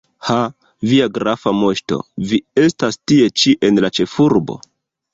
Ha, via grafa moŝto, vi estas tie ĉi, en la ĉefurbo?